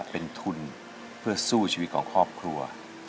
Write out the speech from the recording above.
เป็นทุนเพื่อสู้ชีวิตของครอบครัว